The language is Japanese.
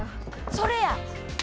それや！